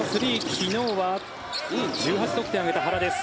昨日は１８得点を挙げた原です。